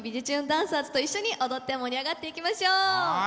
ダンサーズと一緒に踊って盛り上がっていきましょう。